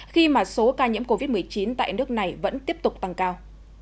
khi mà số ca nhiễm covid một mươi chín tại nước này vẫn tiếp tục tăng cao